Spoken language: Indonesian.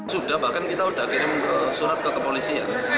sudah bahkan kita sudah kirim surat ke kepolisian